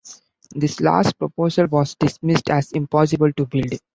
This last proposal was dismissed as impossible to build.